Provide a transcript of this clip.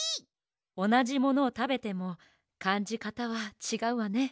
おなじものをたべてもかんじかたはちがうわね。